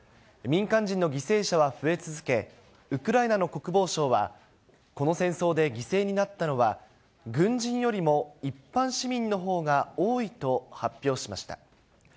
民間人の犠牲者は増え続け、ウクライナの国防省は、この戦争で犠牲になったのは、軍人よりも一般市民のほうが多いと発表しました。